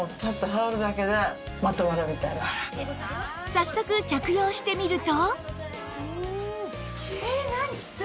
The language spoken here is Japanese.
早速着用してみると